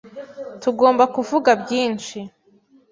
Tugomba kuvuga byinshi.